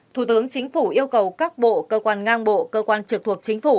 thủ tướng chính phủ yêu cầu các bộ cơ quan ngang bộ cơ quan trực thuộc chính phủ